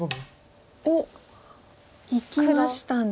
おっ！いきましたね。